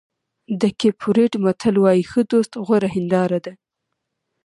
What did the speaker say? د کېپ ورېډ متل وایي ښه دوست غوره هنداره ده.